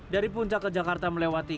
dari puncak ke jakarta melewati